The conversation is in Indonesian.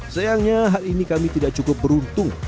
sayangnya hal ini kami tidak cukup beruntung